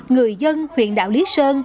người dân huyện đảo lý sơn